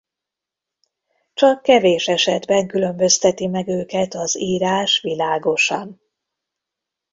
Csak kevés esetben különbözteti meg őket az írás világosan.